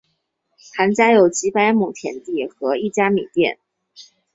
谭家有几百亩田地和一家米店。